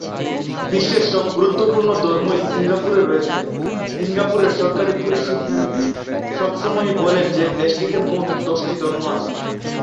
বিশ্বের সব গুরুত্বপূর্ণ ধর্মই সিঙ্গাপুরে রয়েছে; সিঙ্গাপুরের সরকারী পরিসংখ্যান সব সময়ই বলে যে দেশটিতে মোট দশটি ধর্ম রয়েছে।